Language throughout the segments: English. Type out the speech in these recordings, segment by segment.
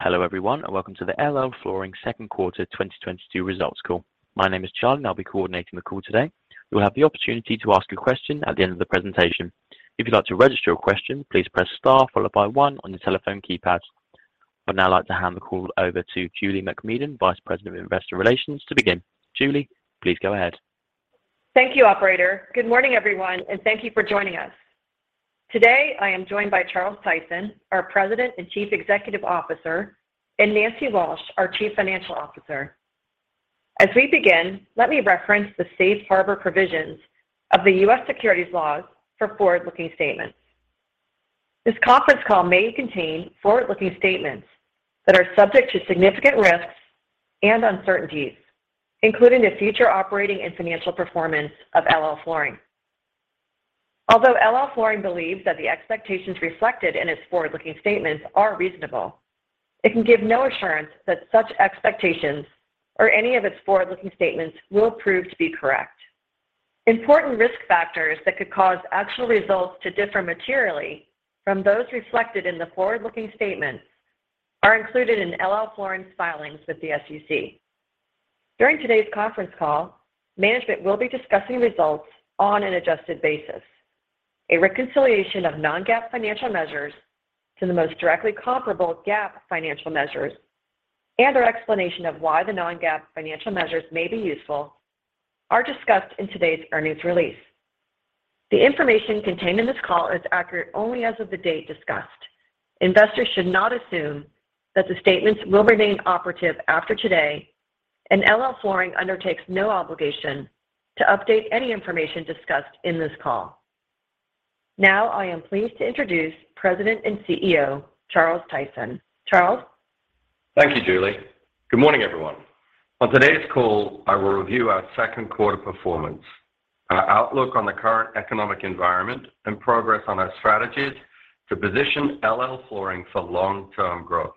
Hello everyone, and welcome to the LL Flooring Q2 2022 results call. My name is Charlie, and I'll be coordinating the call today. You'll have the opportunity to ask a question at the end of the presentation. If you'd like to register your question, please press Star followed by one on your telephone keypad. I'd now like to hand the call over to Julie MacMedan, Vice President of Investor Relations, to begin. Julie, please go ahead. Thank you, operator. Good morning, everyone, and thank you for joining us. Today, I am joined by Charles Tyson, our President and Chief Executive Officer, and Nancy Walsh, our Chief Financial Officer. As we begin, let me reference the safe harbor provisions of the U.S. securities laws for forward-looking statements. This conference call may contain forward-looking statements that are subject to significant risks and uncertainties, including the future operating and financial performance of LL Flooring. Although LL Flooring believes that the expectations reflected in its forward-looking statements are reasonable, it can give no assurance that such expectations or any of its forward-looking statements will prove to be correct. Important risk factors that could cause actual results to differ materially from those reflected in the forward-looking statements are included in LL Flooring's filings with the SEC. During today's conference call, management will be discussing results on an adjusted basis. A reconciliation of non-GAAP financial measures to the most directly comparable GAAP financial measures and our explanation of why the non-GAAP financial measures may be useful are discussed in today's earnings release. The information contained in this call is accurate only as of the date discussed. Investors should not assume that the statements will remain operative after today, and LL Flooring undertakes no obligation to update any information discussed in this call. Now, I am pleased to introduce President and CEO, Charles Tyson. Charles? Thank you, Julie. Good morning, everyone. On today's call, I will review our Q2 performance, our outlook on the current economic environment, and progress on our strategies to position LL Flooring for long-term growth.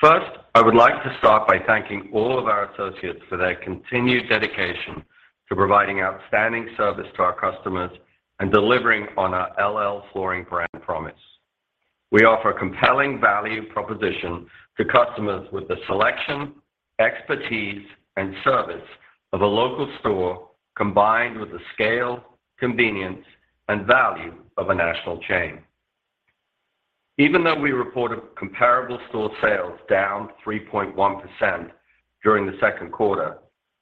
First, I would like to start by thanking all of our associates for their continued dedication to providing outstanding service to our customers and delivering on our LL Flooring brand promise. We offer a compelling value proposition to customers with the selection, expertise, and service of a local store, combined with the scale, convenience, and value of a national chain. Even though we reported comparable store sales down 3.1% during the Q2,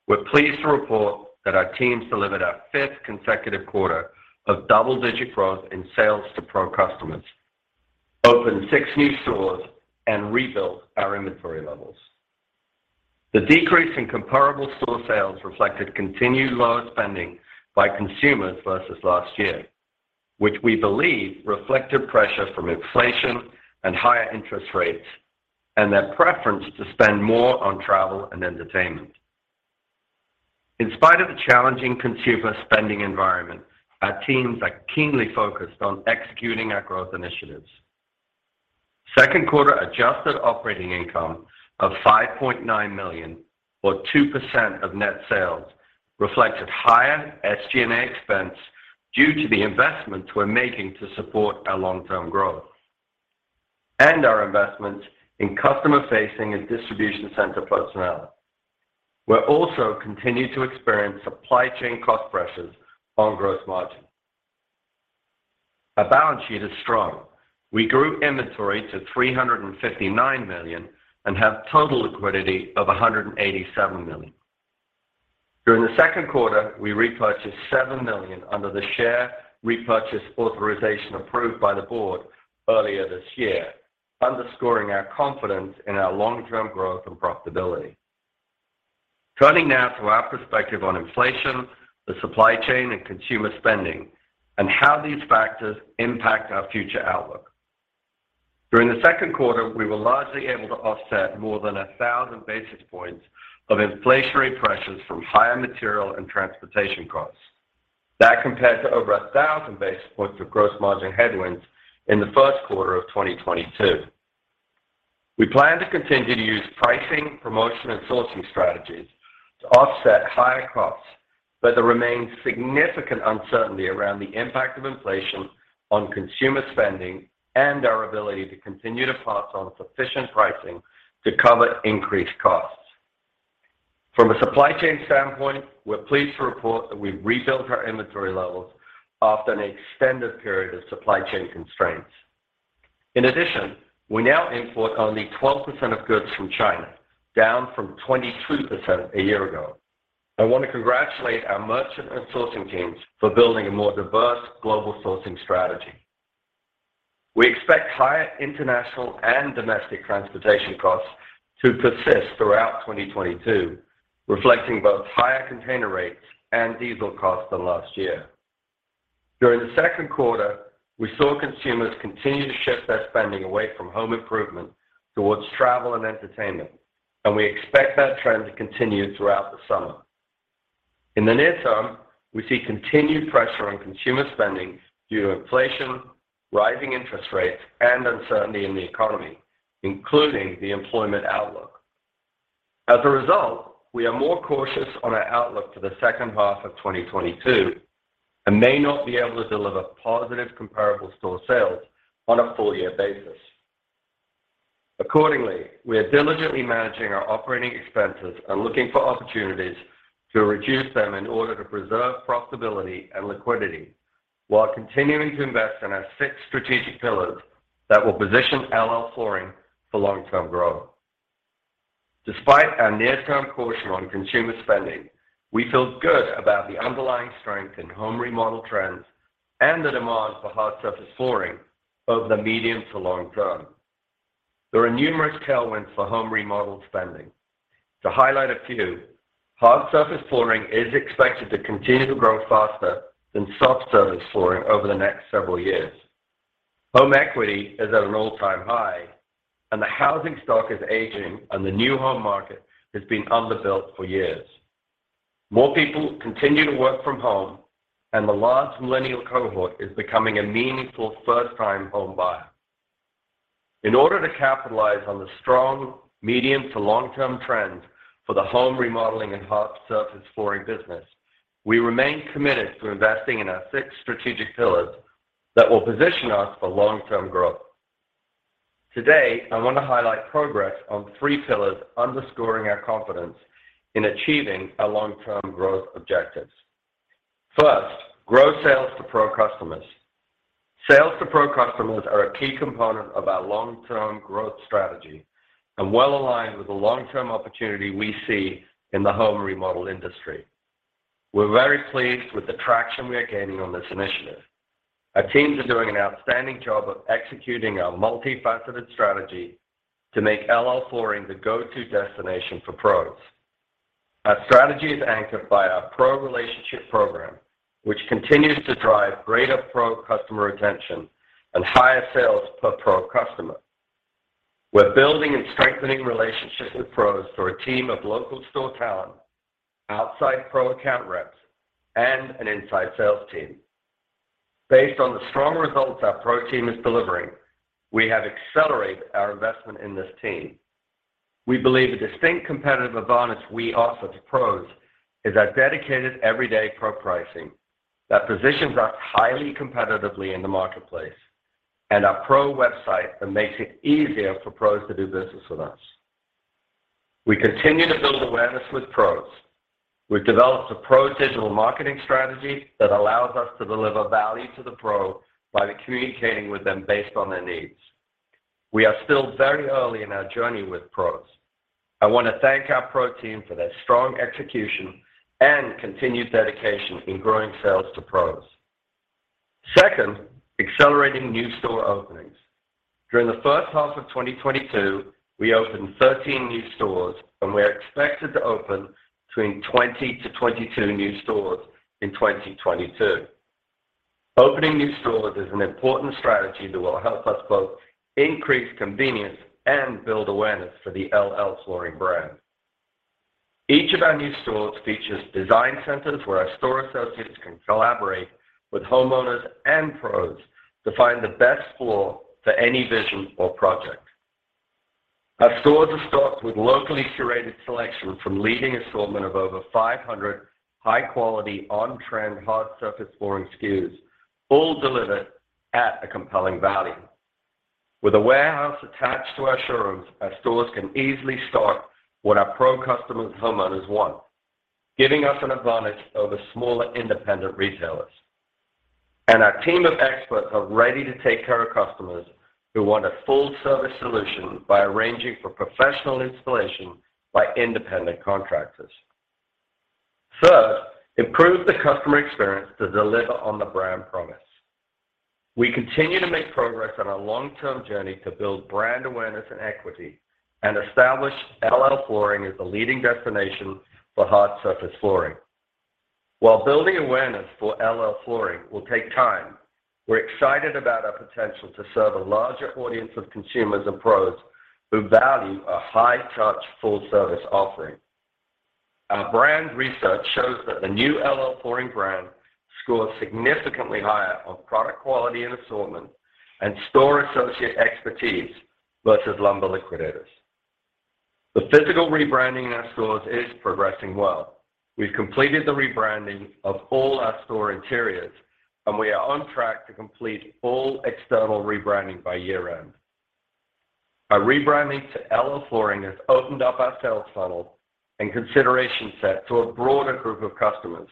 we're pleased to report that our teams delivered our fifth consecutive quarter of double-digit growth in sales to pro customers, opened 6 new stores, and rebuilt our inventory levels. The decrease in comparable store sales reflected continued lower spending by consumers versus last year, which we believe reflected pressure from inflation and higher interest rates and their preference to spend more on travel and entertainment. In spite of the challenging consumer spending environment, our teams are keenly focused on executing our growth initiatives. Q2 adjusted operating income of $5.9 million, or 2% of net sales, reflected higher SG&A expense due to the investments we're making to support our long-term growth and our investments in customer-facing and distribution center personnel. We also continued to experience supply chain cost pressures on gross margin. Our balance sheet is strong. We grew inventory to $359 million and have total liquidity of $187 million. During the Q2, we repurchased 7 million under the share repurchase authorization approved by the board earlier this year, underscoring our confidence in our long-term growth and profitability. Turning now to our perspective on inflation, the supply chain, and consumer spending, and how these factors impact our future outlook. During the Q2, we were largely able to offset more than 1,000 basis points of inflationary pressures from higher material and transportation costs. That compared to over 1,000 basis points of gross margin headwinds in the Q1 of 2022. We plan to continue to use pricing, promotion, and sourcing strategies to offset higher costs, but there remains significant uncertainty around the impact of inflation on consumer spending and our ability to continue to pass on sufficient pricing to cover increased costs. From a supply chain standpoint, we're pleased to report that we've rebuilt our inventory levels after an extended period of supply chain constraints. In addition, we now import only 12% of goods from China, down from 22% a year ago. I want to congratulate our merchant and sourcing teams for building a more diverse global sourcing strategy. We expect higher international and domestic transportation costs to persist throughout 2022, reflecting both higher container rates and diesel costs than last year. During the Q2, we saw consumers continue to shift their spending away from home improvement towards travel and entertainment, and we expect that trend to continue throughout the summer. In the near term, we see continued pressure on consumer spending due to inflation, rising interest rates, and uncertainty in the economy, including the employment outlook. As a result, we are more cautious on our outlook for the second half of 2022 and may not be able to deliver positive comparable store sales on a full year basis. Accordingly, we are diligently managing our operating expenses and looking for opportunities to reduce them in order to preserve profitability and liquidity while continuing to invest in our six strategic pillars that will position LL Flooring for long-term growth. Despite our near-term caution on consumer spending, we feel good about the underlying strength in home remodel trends and the demand for hard surface flooring over the medium to long term. There are numerous tailwinds for home remodel spending. To highlight a few, hard surface flooring is expected to continue to grow faster than soft surface flooring over the next several years. Home equity is at an all-time high, and the housing stock is aging and the new home market has been underbuilt for years. More people continue to work from home, and the large millennial cohort is becoming a meaningful first time home buyer. In order to capitalize on the strong medium to long-term trends for the home remodeling and hard surface flooring business, we remain committed to investing in our six strategic pillars that will position us for long-term growth. Today, I want to highlight progress on three pillars underscoring our confidence in achieving our long-term growth objectives. First, grow sales to pro customers. Sales to pro customers are a key component of our long-term growth strategy and well aligned with the long-term opportunity we see in the home remodel industry. We're very pleased with the traction we are gaining on this initiative. Our teams are doing an outstanding job of executing our multifaceted strategy to make LL Flooring the go-to destination for pros. Our strategy is anchored by our pro relationship program, which continues to drive greater pro customer retention and higher sales per pro customer. We're building and strengthening relationships with pros through a team of local store talent, outside pro account reps, and an inside sales team. Based on the strong results our pro team is delivering, we have accelerated our investment in this team. We believe a distinct competitive advantage we offer to pros is our dedicated everyday pro pricing that positions us highly competitively in the marketplace, and our pro website that makes it easier for pros to do business with us. We continue to build awareness with pros. We've developed a pro digital marketing strategy that allows us to deliver value to the pro by communicating with them based on their needs. We are still very early in our journey with pros. I want to thank our pro team for their strong execution and continued dedication in growing sales to pros. Second, accelerating new store openings. During the first half of 2022, we opened 13 new stores, and we are expected to open between 20-22 new stores in 2022. Opening new stores is an important strategy that will help us both increase convenience and build awareness for the LL Flooring brand. Each of our new stores features design centers where our store associates can collaborate with homeowners and pros to find the best floor for any vision or project. Our stores are stocked with locally curated selection from leading assortment of over 500 high-quality on-trend hard surface flooring SKUs, all delivered at a compelling value. With a warehouse attached to our showrooms, our stores can easily stock what our pro customers and homeowners want, giving us an advantage over smaller independent retailers. Our team of experts are ready to take care of customers who want a full service solution by arranging for professional installation by independent contractors. Third, improve the customer experience to deliver on the brand promise. We continue to make progress on our long-term journey to build brand awareness and equity and establish LL Flooring as the leading destination for hard surface flooring. While building awareness for LL Flooring will take time, we're excited about our potential to serve a larger audience of consumers and pros who value a high touch full service offering. Our brand research shows that the new LL Flooring brand scores significantly higher on product quality and assortment and store associate expertise versus Lumber Liquidators. The physical rebranding in our stores is progressing well. We've completed the rebranding of all our store interiors, and we are on track to complete all external rebranding by year-end. Our rebranding to LL Flooring has opened up our sales funnel and consideration set to a broader group of customers,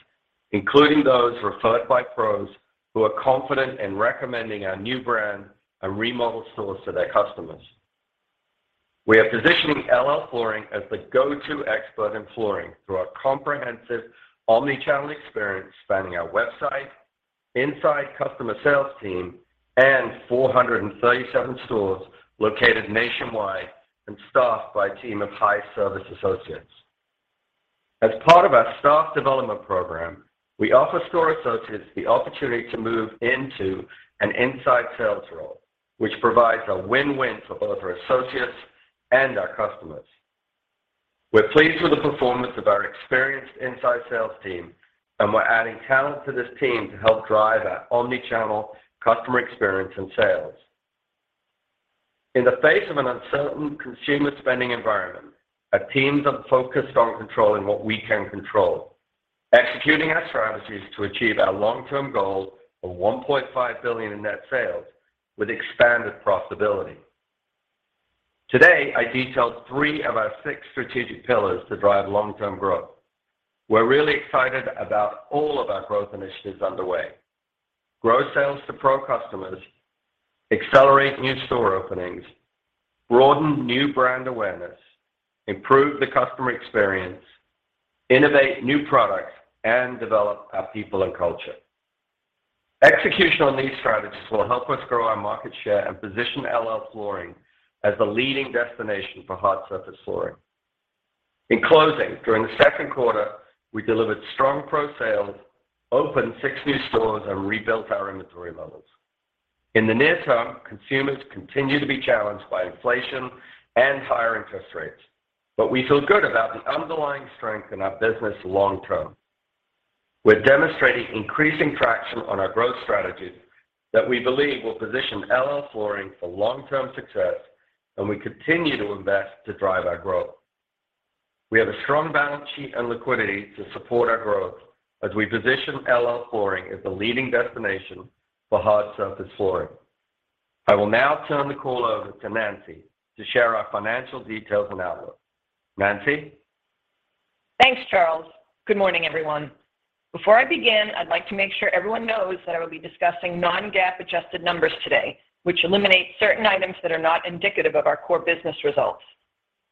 including those referred by pros who are confident in recommending our new brand and remodel stores to their customers. We are positioning LL Flooring as the go-to expert in flooring through our comprehensive omni-channel experience spanning our website, inside customer sales team, and 437 stores located nationwide and staffed by a team of high service associates. As part of our staff development program, we offer store associates the opportunity to move into an inside sales role, which provides a win-win for both our associates and our customers. We're pleased with the performance of our experienced inside sales team, and we're adding talent to this team to help drive our omni-channel customer experience and sales. In the face of an uncertain consumer spending environment, our teams are focused on controlling what we can control, executing our strategies to achieve our long-term goal of $1.5 billion in net sales with expanded profitability. Today, I detailed three of our six strategic pillars to drive long-term growth. We're really excited about all of our growth initiatives underway. Grow sales to pro customers, accelerate new store openings, broaden new brand awareness, improve the customer experience, innovate new products, and develop our people and culture. Execution on these strategies will help us grow our market share and position LL Flooring as the leading destination for hard surface flooring. In closing, during the Q2, we delivered strong comp sales, opened six new stores, and rebuilt our inventory levels. In the near term, consumers continue to be challenged by inflation and higher interest rates, but we feel good about the underlying strength in our business long term. We're demonstrating increasing traction on our growth strategies that we believe will position LL Flooring for long-term success, and we continue to invest to drive our growth. We have a strong balance sheet and liquidity to support our growth as we position LL Flooring as the leading destination for hard surface flooring. I will now turn the call over to Nancy to share our financial details and outlook. Nancy? Thanks, Charles. Good morning, everyone. Before I begin, I'd like to make sure everyone knows that I will be discussing non-GAAP adjusted numbers today, which eliminate certain items that are not indicative of our core business results.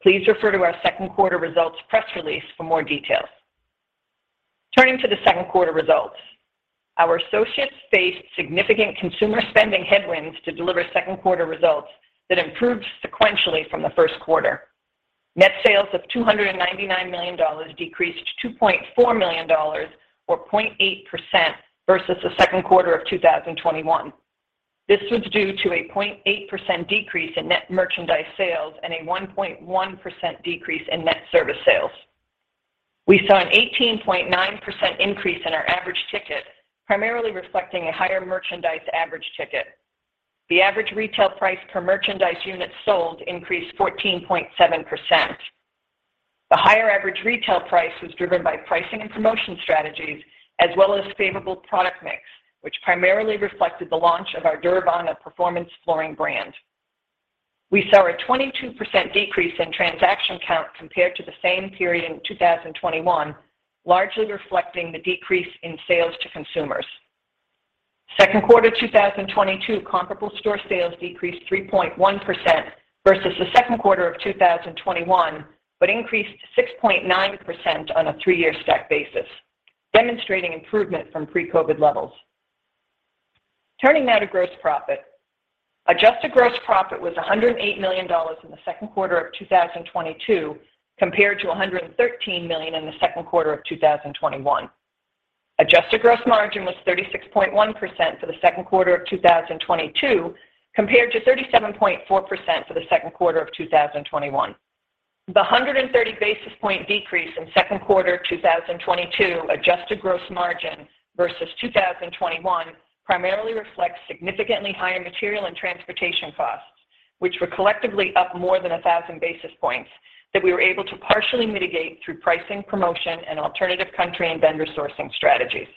Please refer to our Q2 results press release for more details. Turning to the Q2 results. Our associates faced significant consumer spending headwinds to deliver Q2 results that improved sequentially from the Q1. Net sales of $299 million decreased by $2.4 million or 0.8% versus the Q2 of 2021. This was due to a 0.8% decrease in net merchandise sales and a 1.1% decrease in net service sales. We saw an 18.9% increase in our average ticket, primarily reflecting a higher merchandise average ticket. The average retail price per merchandise unit sold increased 14.7%. The higher average retail price was driven by pricing and promotion strategies as well as favorable product mix, which primarily reflected the launch of our Duravana performance flooring brand. We saw a 22% decrease in transaction count compared to the same period in 2021, largely reflecting the decrease in sales to consumers. Q2 2022 comparable store sales decreased 3.1% versus the Q2 of 2021, but increased 6.9% on a 3-year stack basis, demonstrating improvement from pre-COVID levels. Turning now to gross profit. Adjusted gross profit was $108 million in the Q2 of 2022 compared to $113 million in the Q2 of 2021. Adjusted gross margin was 36.1% for the Q2 of 2022 compared to 37.4% for the Q2 of 2021. The 130 basis point decrease in Q2 2022 adjusted gross margin versus 2021 primarily reflects significantly higher material and transportation costs, which were collectively up more than 1,000 basis points that we were able to partially mitigate through pricing, promotion, and alternative country and vendor sourcing strategies.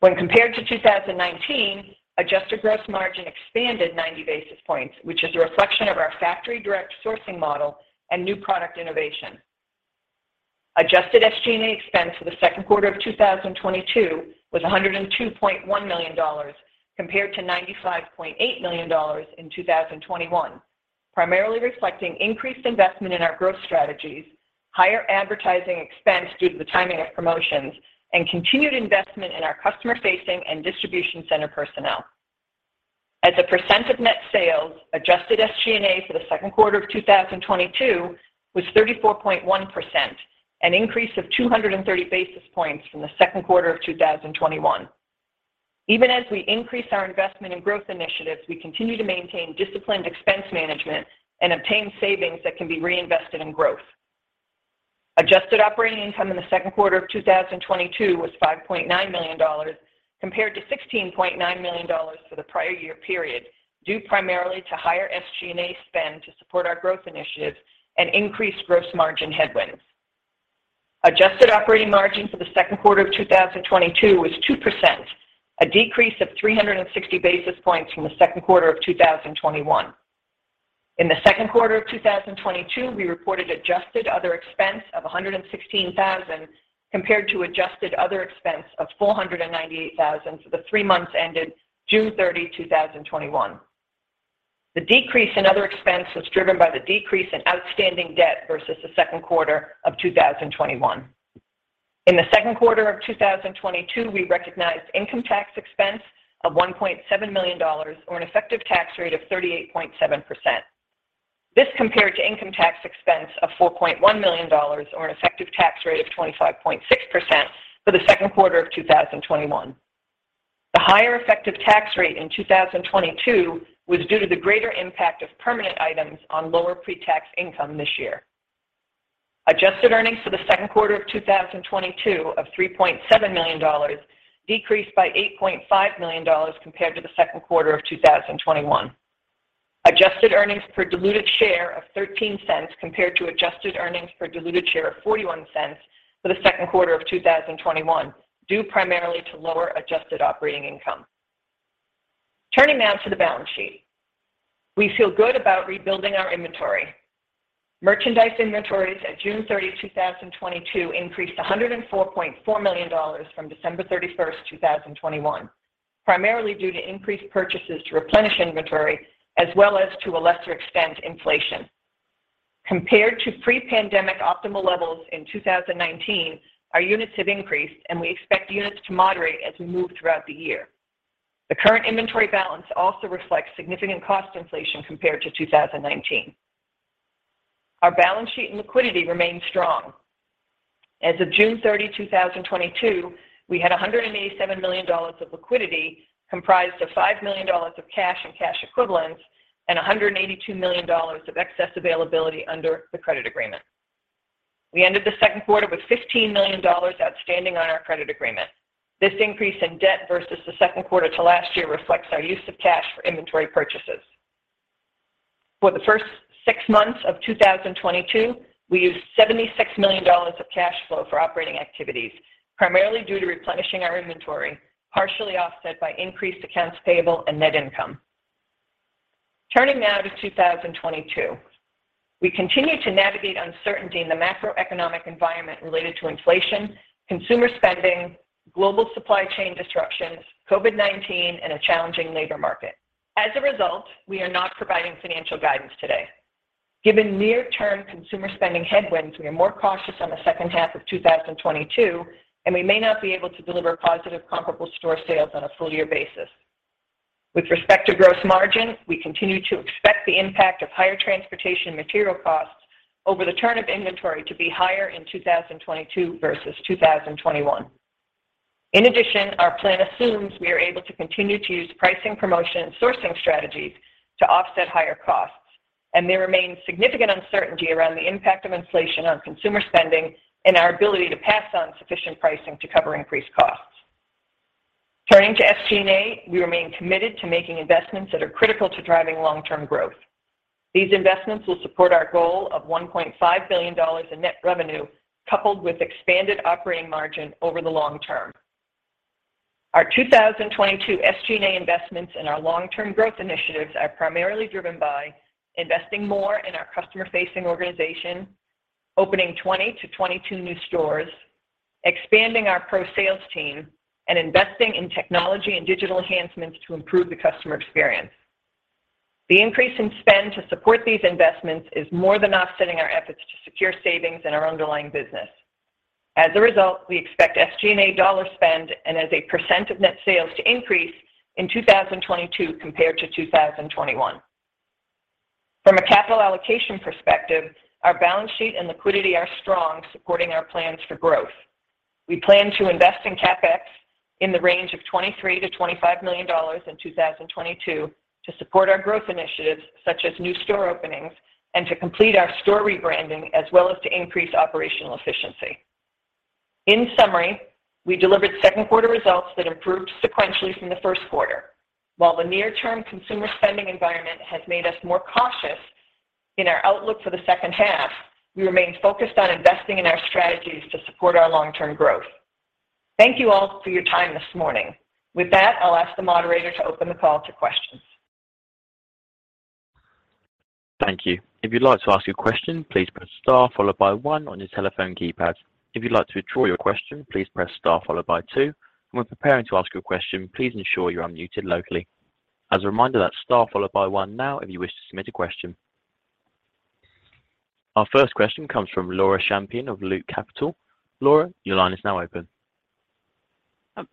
When compared to 2019, adjusted gross margin expanded 90 basis points, which is a reflection of our factory direct sourcing model and new product innovation. Adjusted SG&A expense for the Q2 of 2022 was $102.1 million compared to $95.8 million in 2021, primarily reflecting increased investment in our growth strategies, higher advertising expense due to the timing of promotions, and continued investment in our customer-facing and distribution center personnel. As a percent of net sales, adjusted SG&A for the Q2 of 2022 was 34.1%, an increase of 230 basis points from the Q2 of 2021. Even as we increase our investment in growth initiatives, we continue to maintain disciplined expense management and obtain savings that can be reinvested in growth. Adjusted operating income in the Q2 of 2022 was $5.9 million compared to $16.9 million for the prior year period, due primarily to higher SG&A spend to support our growth initiatives and increased gross margin headwinds. Adjusted operating margin for the Q2 of 2022 was 2%, a decrease of 360 basis points from the Q2 of 2021. In the Q2 of 2022, we reported adjusted other expense of $116,000 compared to adjusted other expense of $498,000 for the three months ended June 30, 2021. The decrease in other expense was driven by the decrease in outstanding debt versus the Q2 of 2021. In the Q2 of 2022, we recognized income tax expense of $1.7 million or an effective tax rate of 38.7%. This compared to income tax expense of $4.1 million or an effective tax rate of 25.6% for the Q2 of 2021. The higher effective tax rate in 2022 was due to the greater impact of permanent items on lower pre-tax income this year. Adjusted earnings for the Q2 of 2022 of $3.7 million decreased by $8.5 million compared to the Q2 of 2021. Adjusted earnings per diluted share of $0.13 compared to adjusted earnings per diluted share of $0.41 for the Q2 of 2021, due primarily to lower adjusted operating income. Turning now to the balance sheet. We feel good about rebuilding our inventory. Merchandise inventories at June 30, 2022 increased $104.4 million from December 31, 2021, primarily due to increased purchases to replenish inventory as well as to a lesser extent, inflation. Compared to pre-pandemic optimal levels in 2019, our units have increased, and we expect units to moderate as we move throughout the year. The current inventory balance also reflects significant cost inflation compared to 2019. Our balance sheet and liquidity remain strong. As of June 30, 2022, we had $187 million of liquidity, comprised of $5 million of cash and cash equivalents and $182 million of excess availability under the credit agreement. We ended the Q2 with $15 million outstanding on our credit agreement. This increase in debt versus the Q2 to last year reflects our use of cash for inventory purchases. For the first 6 months of 2022, we used $76 million of cash flow for operating activities, primarily due to replenishing our inventory, partially offset by increased accounts payable and net income. Turning now to 2022. We continue to navigate uncertainty in the macroeconomic environment related to inflation, consumer spending, global supply chain disruptions, COVID-19, and a challenging labor market. As a result, we are not providing financial guidance today. Given near term consumer spending headwinds, we are more cautious on the second half of 2022, and we may not be able to deliver positive comparable store sales on a full year basis. With respect to gross margin, we continue to expect the impact of higher transportation material costs over the turn of inventory to be higher in 2022 versus 2021. In addition, our plan assumes we are able to continue to use pricing, promotion, and sourcing strategies to offset higher costs, and there remains significant uncertainty around the impact of inflation on consumer spending and our ability to pass on sufficient pricing to cover increased costs. Turning to SG&A, we remain committed to making investments that are critical to driving long-term growth. These investments will support our goal of $1.5 billion in net revenue, coupled with expanded operating margin over the long term. Our 2022 SG&A investments and our long-term growth initiatives are primarily driven by investing more in our customer-facing organization, opening 20-22 new stores, expanding our pro sales team, and investing in technology and digital enhancements to improve the customer experience. The increase in spend to support these investments is more than offsetting our efforts to secure savings in our underlying business. As a result, we expect SG&A dollar spend and as a % of net sales to increase in 2022 compared to 2021. From a capital allocation perspective, our balance sheet and liquidity are strong, supporting our plans for growth. We plan to invest in CapEx in the range of $23 million-$25 million in 2022 to support our growth initiatives, such as new store openings and to complete our store rebranding, as well as to increase operational efficiency. In summary, we delivered Q2 results that improved sequentially from the Q1. While the near term consumer spending environment has made us more cautious in our outlook for the second half, we remain focused on investing in our strategies to support our long-term growth. Thank you all for your time this morning. With that, I'll ask the moderator to open the call to questions. Thank you. If you'd like to ask a question, please press star followed by one on your telephone keypad. If you'd like to withdraw your question, please press star followed by two. When preparing to ask a question, please ensure you're unmuted locally. As a reminder, that's star followed by one now if you wish to submit a question. Our first question comes from Laura Champine of Loop Capital. Laura, your line is now open.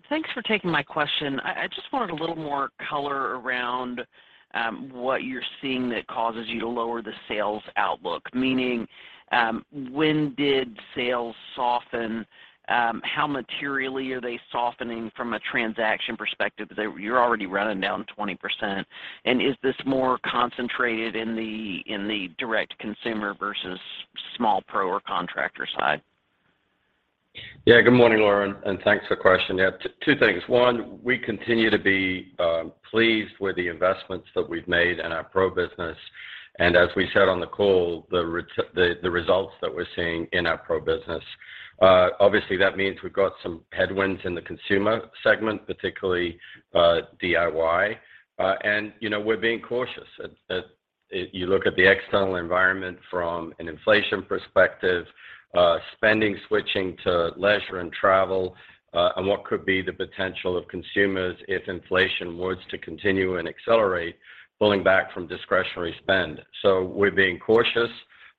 Thanks for taking my question. I just wanted a little more color around what you're seeing that causes you to lower the sales outlook. Meaning, when did sales soften? How materially are they softening from a transaction perspective? You're already running down 20%. Is this more concentrated in the direct consumer versus small pro or contractor side? Yeah. Good morning, Laura, and thanks for the question. Yeah, two things. one, we continue to be pleased with the investments that we've made in our pro business, and as we said on the call, the results that we're seeing in our pro business. Obviously, that means we've got some headwinds in the consumer segment, particularly DIY. We're being cautious. You look at the external environment from an inflation perspective, spending switching to leisure and travel, and what could be the potential of consumers if inflation were to continue and accelerate, pulling back from discretionary spend. We're being cautious.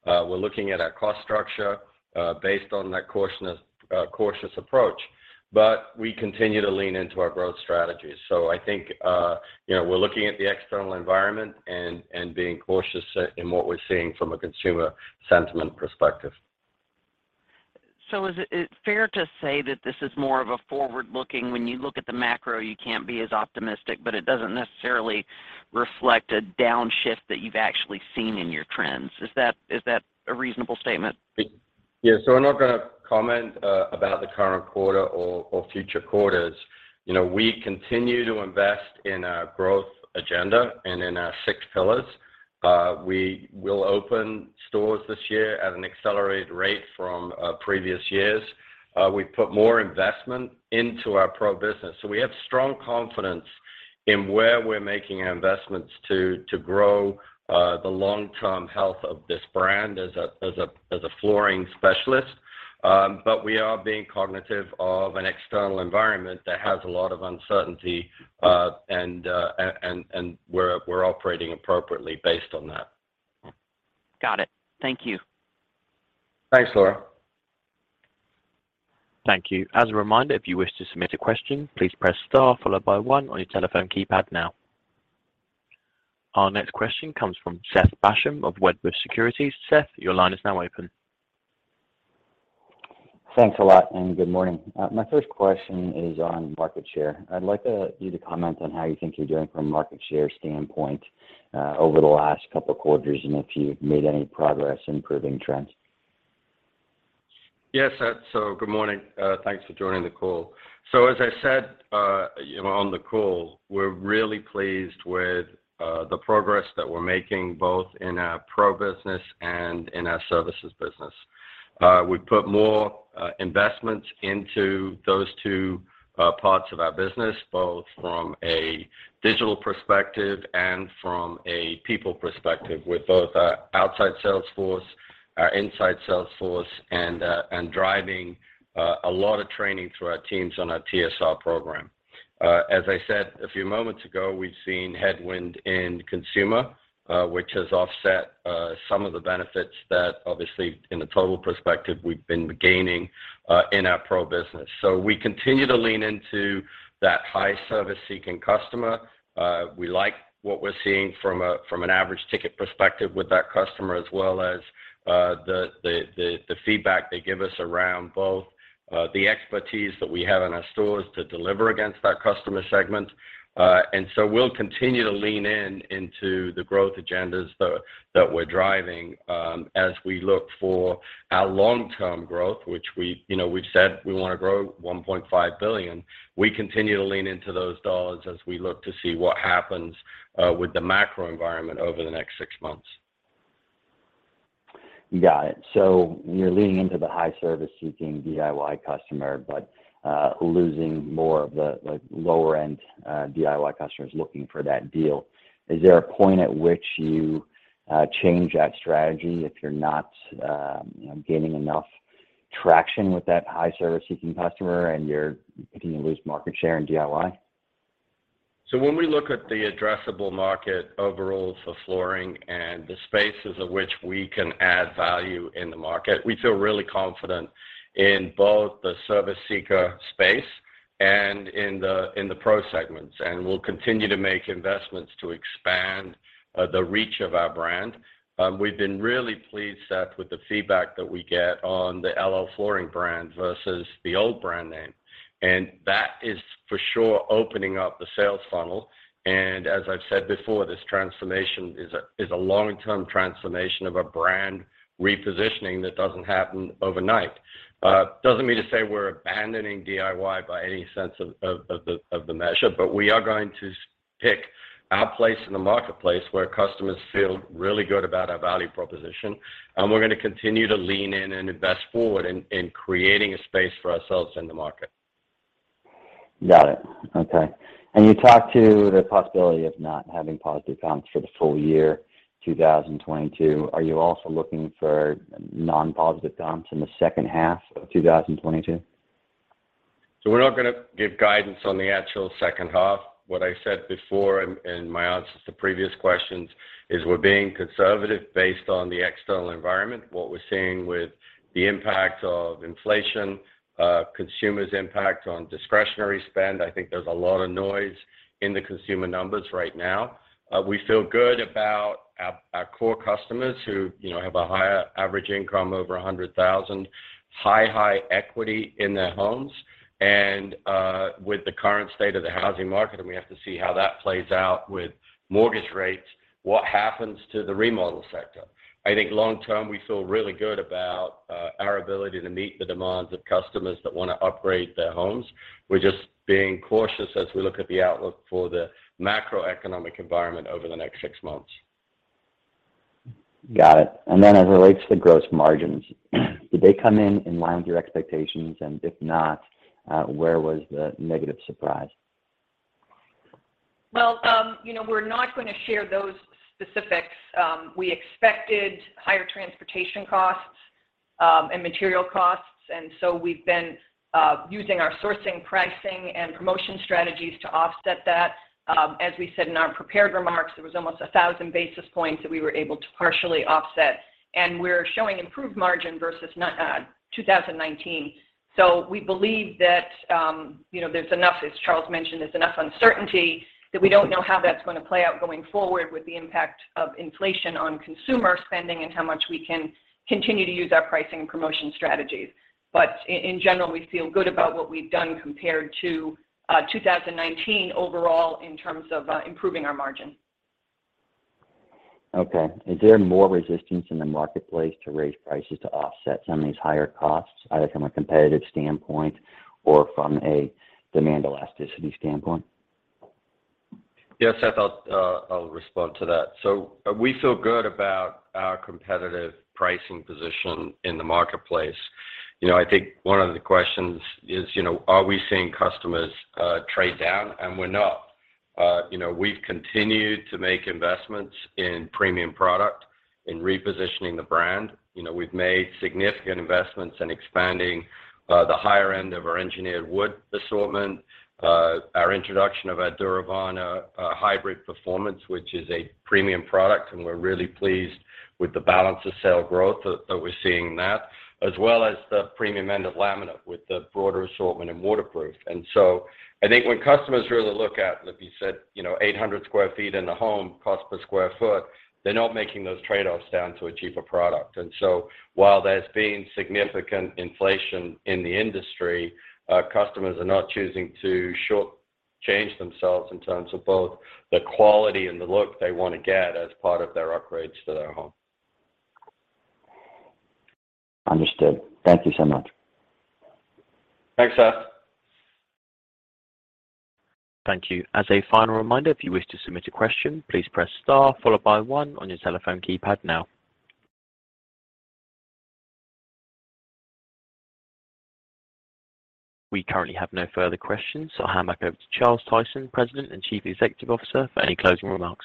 We're looking at our cost structure based on that cautious approach, but we continue to lean into our growth strategies. I think we're looking at the external environment and being cautious in what we're seeing from a consumer sentiment perspective. Is it fair to say that this is more of a forward-looking, when you look at the macro, you can't be as optimistic, but it doesn't necessarily reflect a downshift that you've actually seen in your trends? Is that a reasonable statement? Yeah. I'm not going to comment about the current quarter or future quarters. we continue to invest in our growth agenda and in our six pillars. We will open stores this year at an accelerated rate from previous years. We put more investment into our pro business. We have strong confidence in where we're making investments to grow the long-term health of this brand as a flooring specialist. We are being cognizant of an external environment that has a lot of uncertainty, and we're operating appropriately based on that. Got it. Thank you. Thanks, Laura. Thank you. As a reminder, if you wish to submit a question, please press star followed by one on your telephone keypad now. Our next question comes from Seth Basham of Wedbush Securities. Seth, your line is now open. Thanks a lot, and good morning. My first question is on market share. I'd like you to comment on how you think you're doing from a market share standpoint, over the last couple of quarters, and if you've made any progress improving trends. Yes, Seth. Good morning. Thanks for joining the call. As I said on the call, we're really pleased with the progress that we're making both in our pro business and in our services business. We've put more investments into those two parts of our business, both from a digital perspective and from a people perspective, with both our outside sales force, our inside sales force, and driving a lot of training through our teams on our TSR program. As I said a few moments ago, we've seen headwind in consumer, which has offset some of the benefits that obviously in a total perspective, we've been gaining in our pro business. We continue to lean into that high service-seeking customer. We like what we're seeing from an average ticket perspective with that customer, as well as the feedback they give us around both the expertise that we have in our stores to deliver against that customer segment. We'll continue to lean into the growth agendas that we're driving as we look for our long-term growth, which we we've said we want to grow $1.5 billion. We continue to lean into those dollars as we look to see what happens with the macro environment over the next six months. Got it. You're leaning into the high service-seeking DIY customer, but, losing more of the, like, lower-end, DIY customers looking for that deal. Is there a point at which you change that strategy if you're not gaining enough traction with that high service-seeking customer, and you're beginning to lose market share in DIY? When we look at the addressable market overall for flooring and the spaces of which we can add value in the market, we feel really confident in both the service seeker space and in the pro segments. We'll continue to make investments to expand the reach of our brand. We've been really pleased, Seth, with the feedback that we get on the LL Flooring brand versus the old brand name. That is for sure opening up the sales funnel. As I've said before, this transformation is a long-term transformation of a brand repositioning that doesn't happen overnight. Doesn't mean to say we're abandoning DIY by any sense of the measure, but we are going to pick our place in the marketplace where customers feel really good about our value proposition, and we're going to continue to lean in and invest forward in creating a space for ourselves in the market. Got it. Okay. You talked to the possibility of not having positive comps for the full year 2022. Are you also looking for non-positive comps in the second half of 2022? We're not going to give guidance on the actual second half. What I said before in my answers to previous questions is we're being conservative based on the external environment, what we're seeing with the impact of inflation, consumers impact on discretionary spend. I think there's a lot of noise in the consumer numbers right now. We feel good about our core customers who have a higher average income over 100,000, high equity in their homes. With the current state of the housing market, we have to see how that plays out with mortgage rates, what happens to the remodel sector. I think long-term, we feel really good about our ability to meet the demands of customers that want to upgrade their homes. We're just being cautious as we look at the outlook for the macroeconomic environment over the next six months. Got it. As it relates to gross margins, did they come in line with your expectations? If not, where was the negative surprise? well we're not going to share those specifics. We expected higher transportation costs and material costs, and we've been using our sourcing, pricing, and promotion strategies to offset that. As we said in our prepared remarks, there was almost 1,000 basis points that we were able to partially offset, and we're showing improved margin versus 2019. We believe that there's enough, as Charles mentioned, there's enough uncertainty that we don't know how that's going to play out going forward with the impact of inflation on consumer spending and how much we can continue to use our pricing and promotion strategies. In general, we feel good about what we've done compared to 2019 overall in terms of improving our margin. Okay. Is there more resistance in the marketplace to raise prices to offset some of these higher costs, either from a competitive standpoint or from a demand elasticity standpoint? Yes, Seth, I'll respond to that. We feel good about our competitive pricing position in the marketplace. I think one of the questions is are we seeing customers trade down? We're not. we've continued to make investments in premium product, in repositioning the brand. we've made significant investments in expanding the higher end of our engineered wood assortment. Our introduction of our Duravana hybrid resilient, which is a premium product, and we're really pleased with the balance of sales growth that we're seeing in that. As well as the premium end of laminate with the broader assortment in waterproof. I think when customers really look at, like you said 800 sq ft in the home cost per square foot, they're not making those trade-offs down to a cheaper product. While there's been significant inflation in the industry, customers are not choosing to shortchange themselves in terms of both the quality and the look they want to get as part of their upgrades to their home. Understood. Thank you so much. Thanks, Seth. Thank you. As a final reminder, if you wish to submit a question, please press star followed by one on your telephone keypad now. We currently have no further questions. I'll hand back over to Charles Tyson, President and Chief Executive Officer, for any closing remarks.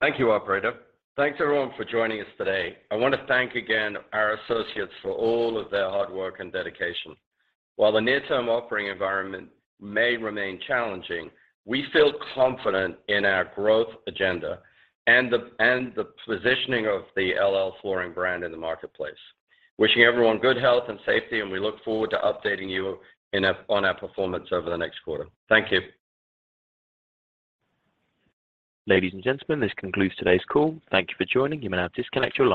Thank you, operator. Thanks, everyone, for joining us today. I want to thank again our associates for all of their hard work and dedication. While the near-term operating environment may remain challenging, we feel confident in our growth agenda and the positioning of the LL Flooring brand in the marketplace. Wishing everyone good health and safety, and we look forward to updating you on our performance over the next quarter. Thank you. Ladies and gentlemen, this concludes today's call. Thank you for joining. You may now disconnect your line.